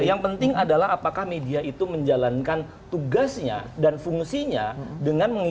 yang penting adalah apakah media itu menjalankan tugasnya dan fungsinya dengan mengikuti